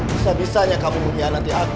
bisa bisanya kamu mengkhianati aku